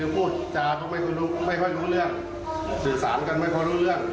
ไม่ค่อยรู้เรื่องสื่อสารกันไม่ค่อยรู้เรื่อง